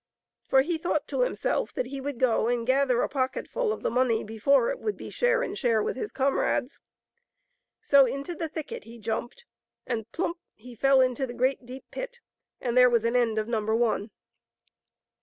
For he thought to himself that he would go and gather a pocketful of the money before it would be share and share with his comrades. So, into the thicket he jumped, and — plump !— he fell into the great, deep pit ; and there was an end of number one.